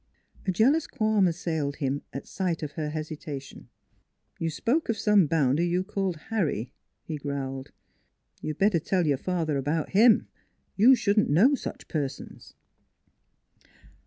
A jealous qualm assailed him at sight of her hesitation. " You spoke of some bounder you called Harry," he growled. " You'd better tell your father about him. You shouldn't know such persons."